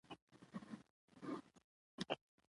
زمرد د افغانستان د ځایي اقتصادونو بنسټ دی.